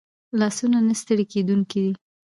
لاسونه نه ستړي کېدونکي دي